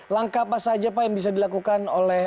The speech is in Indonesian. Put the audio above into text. langkah apa saja pak yang bisa dilakukan oleh